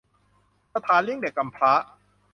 สถานเลี้ยงเด็กกำพร้า